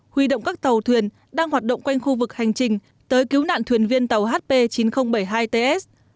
huy động các tàu thuyền đang hoạt động quanh khu vực hành trình tới cứu nạn thuyền viên tàu hp chín nghìn bảy mươi hai ts